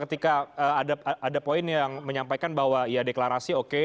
ketika ada poin yang menyampaikan bahwa ya deklarasi oke